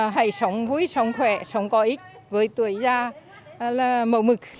hãy sống vui sống khỏe sống có ích với tuổi già là mậu mực